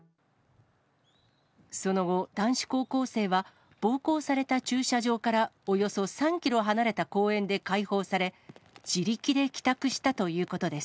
その後、男子高校生は、暴行された駐車場からおよそ３キロ離れた公園で解放され、自力で帰宅したということです。